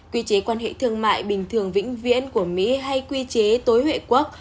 quy chế quan hệ thương mại bình thường vĩnh viễn của mỹ hay quy chế tối huệ quốc